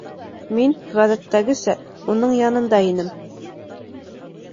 Мин, ғәҙәттәгесә, уның янында инем.